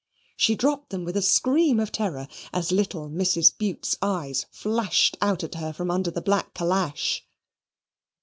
She dropped them with a scream of terror, as little Mrs. Bute's eyes flashed out at her from under her black calash.